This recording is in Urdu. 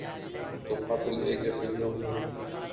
تو قاتل ایک جیسے کیوں نہیں؟